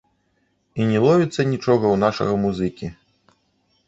І не ловіцца нічога ў нашага музыкі.